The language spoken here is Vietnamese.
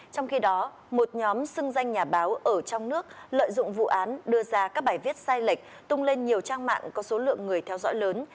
trong khi đó một nhóm xưng danh nhà báo ở trong nước lợi dụng vụ án đưa ra các bài viết sai lệch tung lên nhiều trang mạng có số lượng người theo dõi lớn